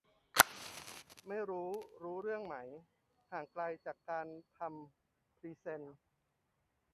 ไม่รู้รู้เรื่องไหม ห่างไกลจากการทำพรีเซ็น